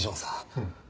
うん。